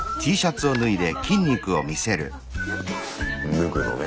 脱ぐのね。